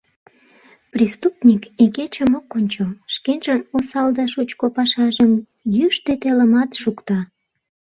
Преступник игечым ок ончо — шкенжын осал да шучко пашажым йӱштӧ телымат шукта.